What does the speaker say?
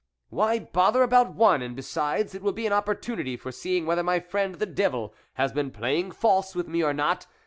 " Why bother about one ! And, besides, it will be an opportunity for seeing whether my friend the devil has been playing false with me or not.